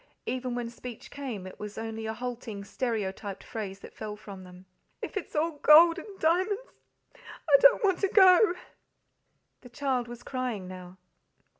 Even when speech came, it was only a halting, stereotyped phrase that fell from them. "If it's all gold and diamonds, I don't want to go!" The child was crying now.